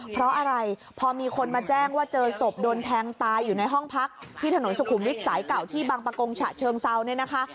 เพราะอะไรพอมีคนมาแจ้งว่าเจอศพโดนแทงตายอยู่ในห้องพักที่ถนนสุขุมวิทย์สายเก่าที่บางประกงฉะเชิงเซาเนี่ยนะคะ